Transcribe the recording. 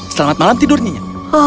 selamat malam tidurnya